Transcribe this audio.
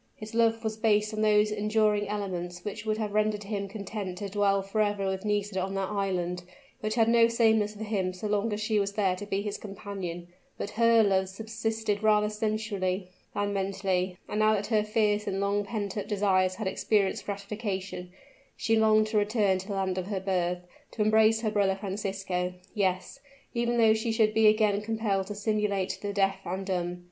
His love was based on those enduring elements which would have rendered him content to dwell forever with Nisida on that island, which had no sameness for him so long as she was there to be his companion; but her love subsisted rather sensually than mentally; and now that her fierce and long pent up desires had experienced gratification, she longed to return to the land of her birth, to embrace her brother Francisco; yes, even though she should be again compelled to simulate the deaf and dumb.